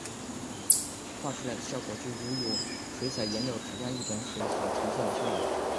画出来的效果就有如水彩颜料只加一点水所呈现的效果。